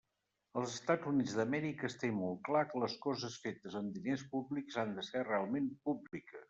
Als Estats Units d'Amèrica es té molt clar que les coses fetes amb diners públics han de ser realment públiques.